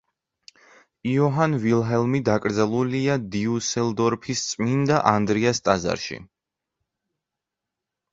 იოჰან ვილჰელმი დაკრძალულია დიუსელდორფის წმინდა ანდრიას ტაძარში.